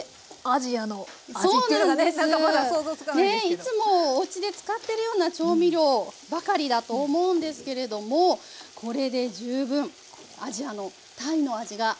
いつもおうちで使ってるような調味料ばかりだと思うんですけれどもこれで十分アジアのタイの味が再現できます。